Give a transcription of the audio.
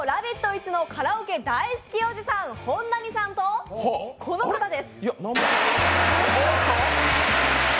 いちのカラオケ大好きおじさん、本並さんと、この方です。